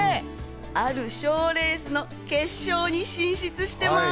ある賞レースの決勝に進出してます！